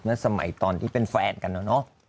เมื่อสมัยตอนที่เป็นแฟนกันแล้วเนอะ